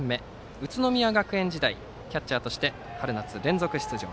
宇都宮学園時代キャッチャーとして春夏連続出場。